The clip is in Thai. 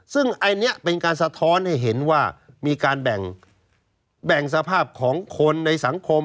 ซึ่งอันนี้เป็นการสะท้อนให้เห็นว่ามีการแบ่งสภาพของคนในสังคม